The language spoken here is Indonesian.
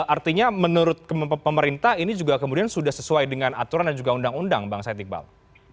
artinya menurut pemerintah ini juga kemudian sudah sesuai dengan aturan dan juga undang undang bang said iqbal